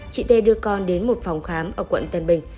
chị tê đưa con đến một phòng khám ở quận tân bình